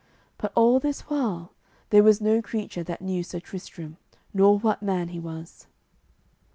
But all this while there was no creature that knew Sir Tristram, nor what man he was.